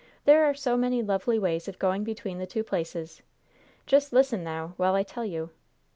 There are so many lovely ways of going between the two places. Just listen now while I tell you.